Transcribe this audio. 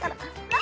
何！？